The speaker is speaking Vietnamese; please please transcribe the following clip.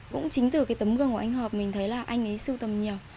cũng chính từ cái tấm gương của anh hợp mình thấy là anh ấy sưu tầm nhiều